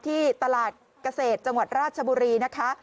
ที่ตลาดเกษตรจังหวัดราชบุรีนะคะ